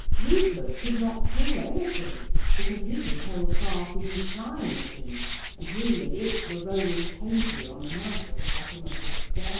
Rupert could not do anything because he was held fast in his flying machine, and he and it were rolling painfully on the mat at the bottom of the stairs.